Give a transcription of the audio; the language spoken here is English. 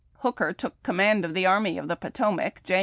Hooker took command of the Army of the Potomac Jan.